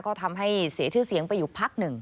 ก็ทำให้เสียชื่อเสียงไปอยู่พักหนึ่ง